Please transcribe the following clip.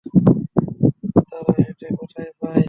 তারা এটা কোথায় পায়?